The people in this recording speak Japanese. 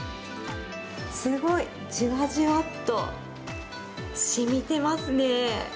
すごい、じわじわっと、しみてますね。